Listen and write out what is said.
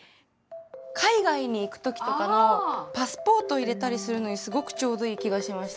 海外に行く時とかのパスポート入れたりするのにすごくちょうどいい気がしました。